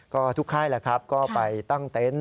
ก็ทุกค่ายแหละครับก็ไปตั้งเต็นต์